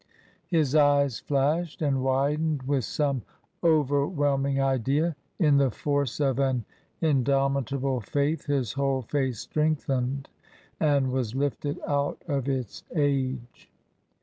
His eyes flashed and widened with some overwhelm 46 TRANSITION. ing idea ; in the force of an indomitable faith his whole face strengthened and was lifted out of its age.